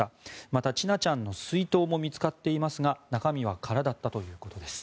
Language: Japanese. また、千奈ちゃんの水筒も見つかっていますが中身は空だったということです。